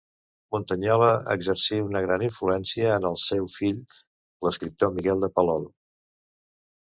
Muntanyola exercí una gran influència en el seu fill, l'escriptor Miquel de Palol.